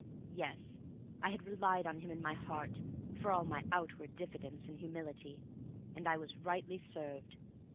Yes, I had relied on him in my heart, for all my outward diffidence and humility; and I was rightly served.